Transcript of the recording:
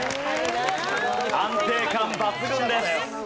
安定感抜群です。